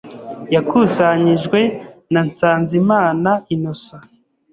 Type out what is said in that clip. yakusanyijwe na Nsanzimana Innocent,